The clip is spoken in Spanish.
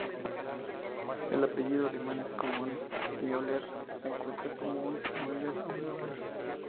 El apellido alemán más común Müller se encuentra como Mueller o Muller.